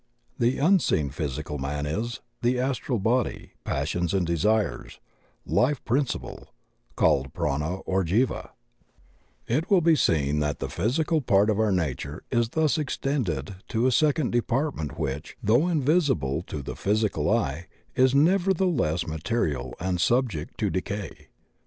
The unseen ( Astral Body, physical ^ Passions and Desires, man is: ) Life Principle (called prana or jiva,) 34 THE OCEAN OF THEOSOPHY It will be seen that the physical part of our nature is thus extended to a second department which, Aou^ invisible to the physical eye, is nevertheless material and subject to decay.